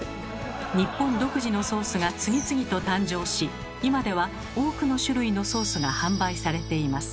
日本独自のソースが次々と誕生し今では多くの種類のソースが販売されています。